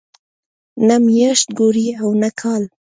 نه میاشت ګوري او نه کال.